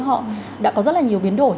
họ đã có rất là nhiều biến đổi